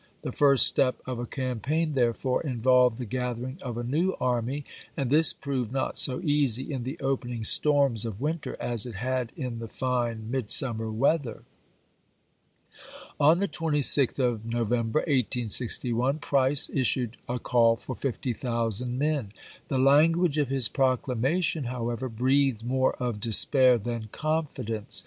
The first step of a campaign, there fore, involved the gathering of a new army, and this proved not so easy in the opening storms of winter as it had in the fine midsummer weather. On the 26th of November, 1861, Price issued a call for fifty thousand men. The language of his proclamation, however, breathed more of despair than confidence.